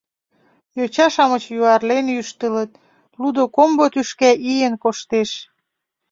Йоча-шамыч юарлен йӱштылыт, лудо-комбо тӱшка ийын коштеш.